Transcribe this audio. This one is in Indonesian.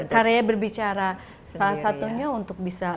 karya berbicara salah satunya untuk bisa